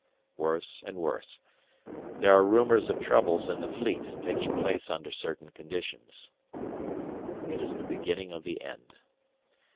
Worse and worse there are rumours of troubles in the Fleet taking place under certain conditions. It is the beginning of the end!